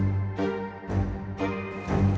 terima kasih mas